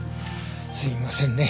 すいませんね。